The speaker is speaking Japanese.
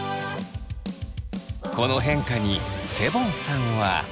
この変化にセボンさんは。